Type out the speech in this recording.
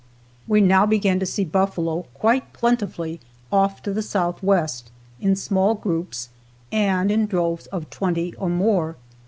We now began to see buffalo quite plentifully off to the southwest, in small groups, and in droves of twenty or more.